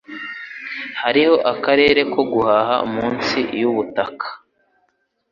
Hariho akarere ko guhaha munsi yubutaka